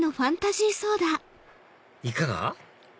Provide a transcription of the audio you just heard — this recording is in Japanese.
いかが？